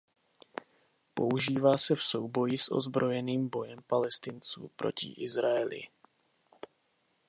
Používá se v souvislosti s ozbrojeným bojem Palestinců proti Izraeli.